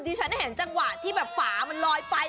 ฉันเห็นจังหวะที่แบบฝามันลอยไป